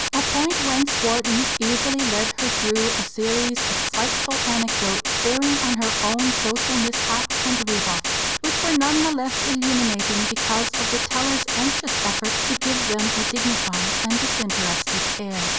A point whence Wharton easily led her through a series of spiteful anecdotes bearing on her own social mishaps and rebuffs, which were none the less illuminating because of the teller's anxious effort to give them a dignified and disinterested air.